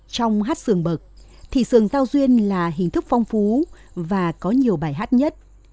trong hát sường bậc thì sườn giao duyên là hình thức phong phú và có nhiều bài hát nhất